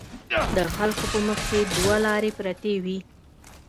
د خلکو په مخکې دوه لارې پرتې وي.